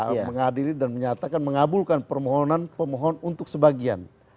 yang menyatakan mengabulkan permohonan pemohon untuk sebagian